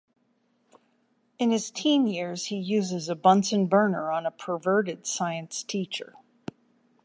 In his teen years, he uses a bunsen burner on a perverted science teacher.